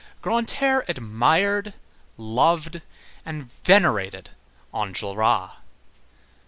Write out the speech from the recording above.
Grantaire admired, loved, and venerated Enjolras.